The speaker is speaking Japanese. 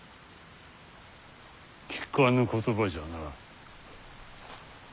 聞かぬ言葉じゃな。